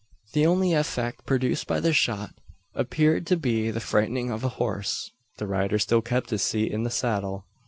The only effect produced by the shot, appeared to be the frightening of the horse. The rider still kept his seat in the saddle!